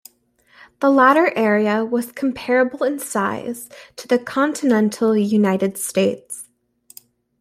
The latter area was comparable in size to the continental United States.